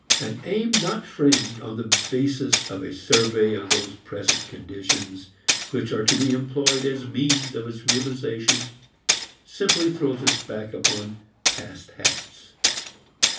An aim not framed on the basis of a survey of those present conditions which are to be employed as means of its realization simply throws us back upon past habits.